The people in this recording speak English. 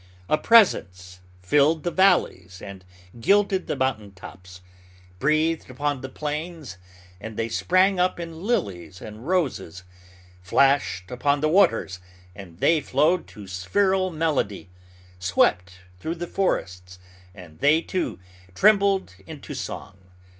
A Presence filled the valleys and gilded the mountain tops, breathed upon the plains, and they sprang up in lilies and roses, flashed upon the waters, and they flowed to spheral melody, swept through the forests, and they, too, trembled into song.